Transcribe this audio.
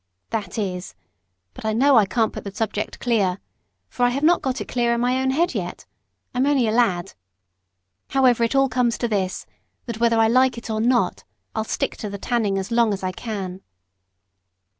That is but I know I can't put the subject clear, for I have not got it clear in my own head yet I'm only a lad. However, it all comes to this that whether I like it or not, I'll stick to the tanning as long as I can."